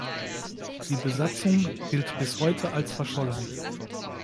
Die Besatzung gilt bis heute als verschollen.